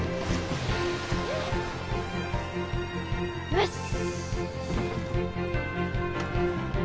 よし。